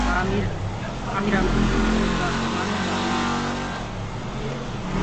ამირან გულში მღეროდა - ყმანო ბანი მითხარიო